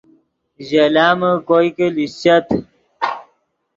ژے لامے کوئے کہ لیشچت